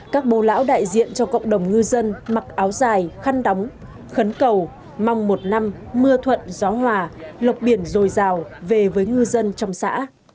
các bồ lão đại diện cho cộng đồng ngư dân mặc áo dài khăn đóng khấn cầu mong một năm mưa thuận gió hòa lộc biển dồi dào về với ngư dân trong xã